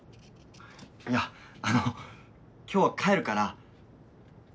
いやあの今日は帰るから。